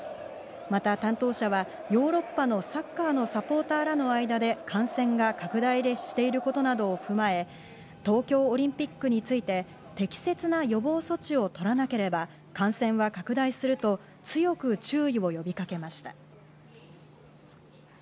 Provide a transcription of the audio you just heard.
また担当者はヨーロッパのサッカーのサポーターらの間で感染が拡大していることなどを踏まえ、東京オリンピックについて、適切な予防措置を取らなければ、感染は拡大すると強く注意を呼びかけました。